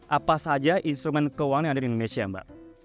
apa saja instrumen keuangan yang ada di indonesia mbak